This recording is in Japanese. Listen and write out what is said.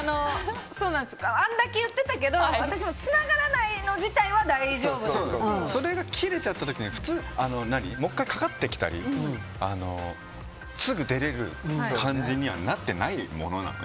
あんだけ言ってたけど私もつながらないの自体はそれが切れちゃった時にもう１回かかってきたりすぐ出れる感じにはなってないものなの？